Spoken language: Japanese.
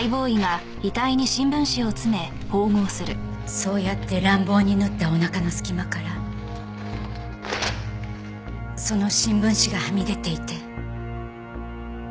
そうやって乱暴に縫ったお腹の隙間からその新聞紙がはみ出ていて。